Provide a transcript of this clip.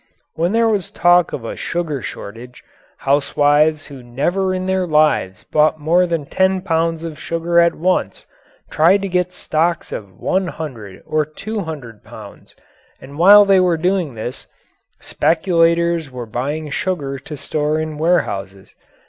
When there was talk of a sugar shortage, housewives who had never in their lives bought more than ten pounds of sugar at once tried to get stocks of one hundred or two hundred pounds, and while they were doing this, speculators were buying sugar to store in warehouses.